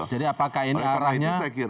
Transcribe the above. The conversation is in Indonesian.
jadi apakah ini arahnya